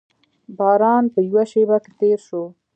باران په یوه شېبه کې تېر شو.